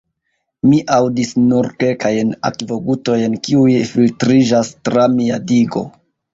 Mi aŭdis nur kelkajn akvogutojn, kiuj filtriĝas tra mia digo.